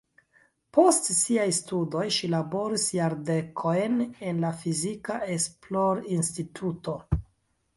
Post siaj studoj ŝi laboris jardekojn en la fizika esplorinstituto.